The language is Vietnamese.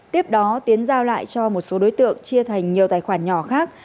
tiếp đó tiến giao lại cho một số đối tượng chia thành nhiều tài khoản nhỏ khác